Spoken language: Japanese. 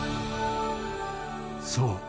そう。